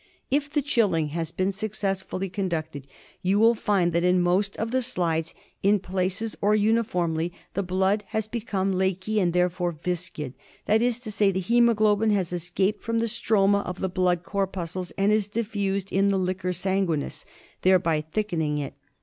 If the chilling has been suc cessfully conducted, you will find that in most of the slides, in places or uniformly, the blood has become lakey and therefore viscid ; that is to say, the haemoglobin has escaped from the stroma of the blood corpuscles and is diffused in the liquor sanguinis, thereby thickening it.